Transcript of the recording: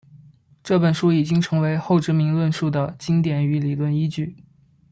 这本书已经成为后殖民论述的经典与理论依据。